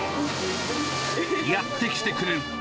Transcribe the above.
やって来てくれる。